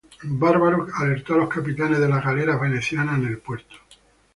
Barbaro alertó a los capitanes de las galeras venecianas en el puerto.